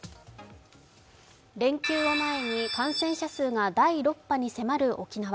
連休を前に感染者数が第６波に迫る沖縄。